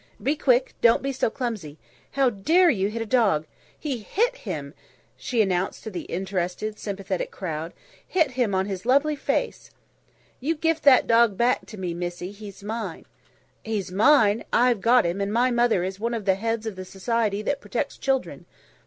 "Be quick; don't be so clumsy. How dare you hit a dog. He hit him," she announced to the interested, sympathetic crowd. "Hit him on his lovely face. "You gif that dog back to me, missie, he's mine." "He's mine. I've got him, and my mother is one of the heads of the Society that protects children."